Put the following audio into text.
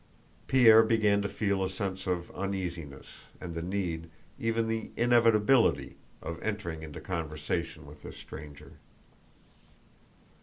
Pierre began to feel a sense of uneasiness, and the need, even the inevitability, of entering into conversation with this stranger.